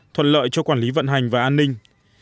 thuận lợi cho quản lý vận hành và an ninh